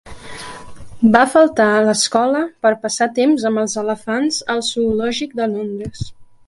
Va faltar a l'escola per passar temps amb els elefants al zoològic de Londres.